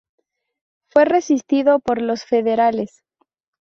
Fue resistido por los federales.